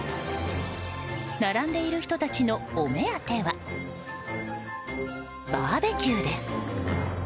並んでいる人たちの、お目当てはバーベキューです。